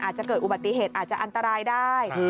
อาจจะเกิดอุบัติเหตุอาจจะอันตรายได้